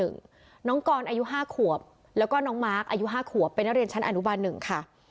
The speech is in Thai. น้องกรอายุ๕ขวบแล้วก็น้องมาร์คอายุ๕ขวบเป็นนักเรียนชั้นอนุบาล๑ค่ะ